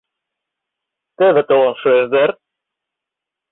— Теве толын шуэш дыр.